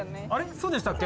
そうでしたっけ？